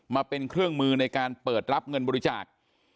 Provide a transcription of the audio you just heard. มาเป็นเครื่องมือในการเปิดรับเงินบริจาค